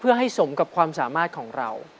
เพื่อให้สมกับความสามารถของเรา